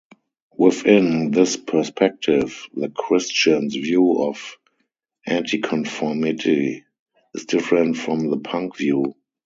Within this perspective, the Christian's view of anticonformity is different from the punk view.